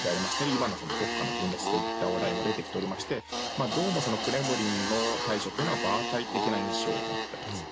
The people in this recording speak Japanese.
今の国家の分裂という話題も出ていましてどうもクレムリンの対処というのは場当たり的な印象を持っております。